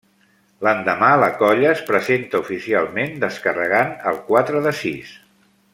L'endemà, la colla es presenta oficialment, descarregant el quatre de sis.